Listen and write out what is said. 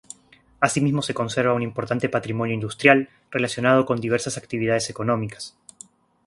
Asimismo se conserva un importante patrimonio industrial, relacionado con diversas actividades económicas.